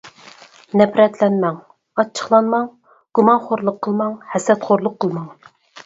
نەپرەتلەنمەڭ، ئاچچىقلانماڭ، گۇمانخورلۇق قىلماڭ: ھەسەتخورلۇق قىلماڭ.